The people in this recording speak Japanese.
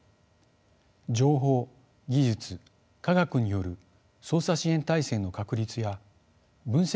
情報・技術・科学による捜査支援体制の確立や分析